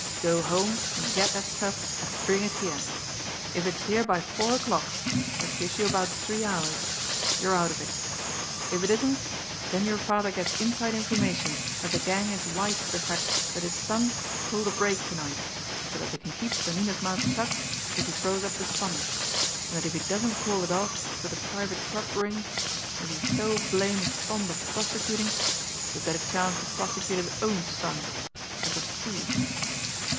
Go home and get that stuff and bring it here. If it's here by four o'clock that gives you about three hours you're out of it. If it isn't, then your father gets inside information that the gang is wise to the fact that his son pulled a break tonight, but that they can keep Sonnino's mouth shut if he throws up the sponge, and that if he doesn't call it off with the 'Private Club Ring,' if he's so blamed fond of prosecuting, he'll get a chance to prosecute his own son as a thief!"